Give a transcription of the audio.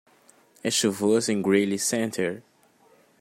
É chuvoso em Greely Center?